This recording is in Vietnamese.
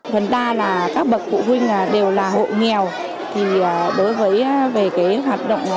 thần đa là các bậc phụ huynh đều là hộ nghèo thì đối với về cái hoạt động